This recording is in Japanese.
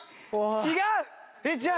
違う！